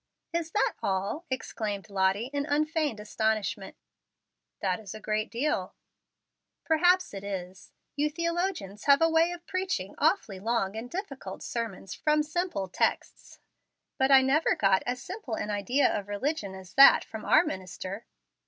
"Is that all?" exclaimed Lottie, in unfeigned astonishment. "That is a great deal." "Perhaps it is. You theologians have a way of preaching awfully long and difficult sermons from simple texts. But I never got as simple an idea of religion as that from our minister."